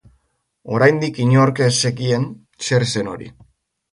Oraindik inork ez zekien zer zen hori.